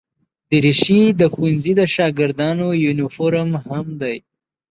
دریشي د ښوونځي د شاګردانو یونیفورم هم وي.